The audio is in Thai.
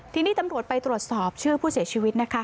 ทีนี้ตำรวจไปตรวจสอบชื่อผู้เสียชีวิตนะคะ